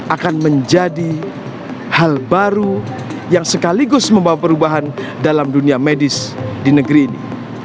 akan menjadi hal baru yang sekaligus membawa perubahan dalam dunia medis di negeri ini